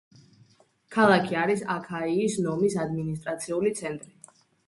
ქალაქი არის აქაიის ნომის ადმინისტრაციული ცენტრი.